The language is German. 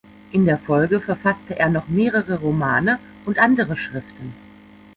In der Folge verfasste er noch mehrere Romane und andere Schriften.